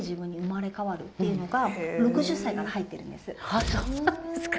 あっそうなんですか。